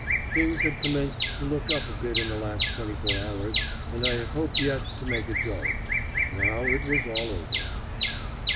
Things had commenced to look up a bit in the last twenty four hours, and I had hoped yet to make it go. Now, it was all over.